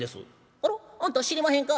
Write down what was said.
「あらあんた知りまへんか？